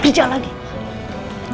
udah pulang pak